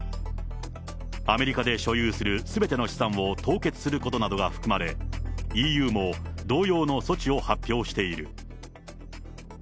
アメリカで所有するすべての資産を凍結することなどが含まれ、ＥＵも同様の措置を発表している。